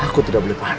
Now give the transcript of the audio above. aku tidak boleh paham